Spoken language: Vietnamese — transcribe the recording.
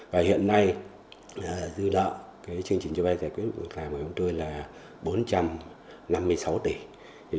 và hiện nay dư lợi chương trình cho vay giải quyết vùng thảm của ông tôi là bốn trăm năm mươi sáu tỷ